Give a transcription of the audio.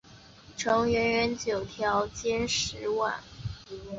承元元年九条兼实薨。